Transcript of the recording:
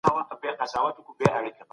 موږ په ورځني ژوند کي د مطالعې کمښت احساسوو.